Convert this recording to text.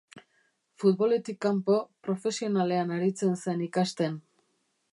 Futboletik kanpo, profesionalean aritzen zen ikasten.